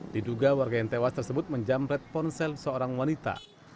diduga warga yang tewas tersebut menjamret ponsel seorang wanita